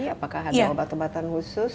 apakah ada obat obatan khusus